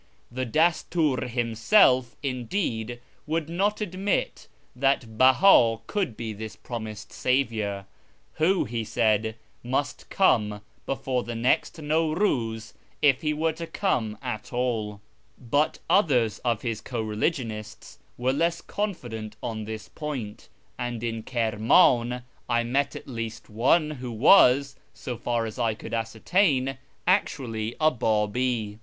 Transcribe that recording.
The Dastur himself, indeed, would not admit that Beha could be this promised saviour, who, he said, must come before the next Naw riiz if he were to come at all ; but others of his co religionists were less confident on this point, and in Kirman I met at least one who was, so far as I could ascertain, actually a Bcibi.